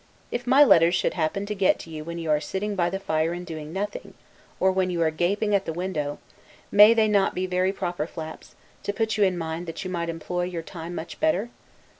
If my letters should happen to get to you when you are sitting by the fire and doing nothing, or when you are gaping at the window, may they not be very proper flaps, to put you in mind that you might employ your time much better?